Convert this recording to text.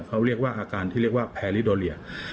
เขาเรียกว่าอาการที่เรียกว่าแพริโดเรีย